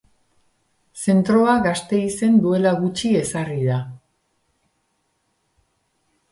Zentroa Gasteizen duela gutxi ezarri da.